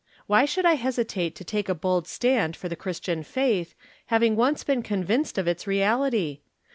Why should I hesitate to take a bold stand for the Christian faith, having once been convinced of its reality